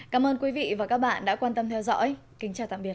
cảm ơn quý vị và các bạn đã quan tâm theo dõi kính chào tạm biệt